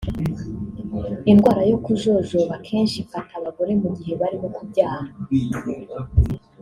Indwara yo kujojoba akenshi ifata abagore mu gihe barimo kubyara